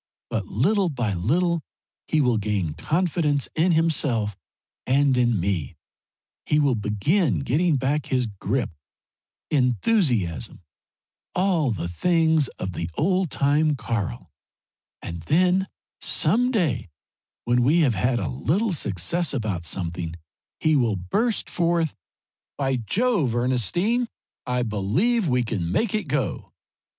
But, little by little, he will gain confidence in himself and in me, he will begin getting back his grip enthusiasm all the things of the old time Karl, and then some day when we have had a little success about something he will burst forth 'By Jove Ernestine I believe we can make it go!'